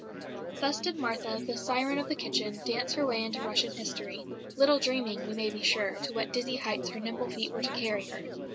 Thus did Martha, the "Siren of the Kitchen," dance her way into Russian history, little dreaming, we may be sure, to what dizzy heights her nimble feet were to carry her.